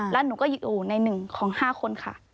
แล้วหนูก็อยู่ใน๑ของ๕คนค่ะ